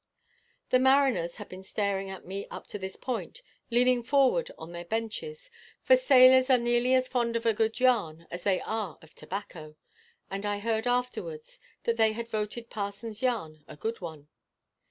The mariners had been staring at me up to this point, leaning forward on their benches, for sailors are nearly as fond of a good yarn as they are of tobacco; and I heard afterwards that they had voted parson's yarn a good one.